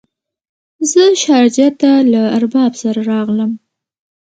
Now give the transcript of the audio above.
زه شارجه ته له ارباب سره راغلم.